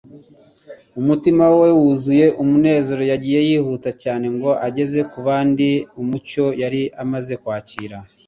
Umutima we wuzuye umunezero, yagiye yihuta cyane, ngo ageze ku bandi umucyo yari amaze kwakira.